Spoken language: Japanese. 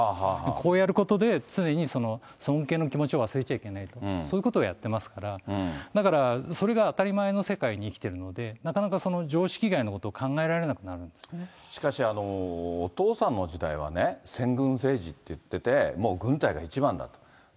こうやることで、常に尊敬の気持ちを忘れちゃいけないと、そういうことをやってますから、だからそれが当たり前の世界に生きてるので、なかなかその常識外のことしかし、お父さんの時代はね、専軍政治っていってて、もう軍隊が一番だと。